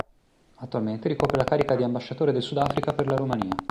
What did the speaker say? Attualmente ricopre la carica di Ambasciatore del Sudafrica per la Romania.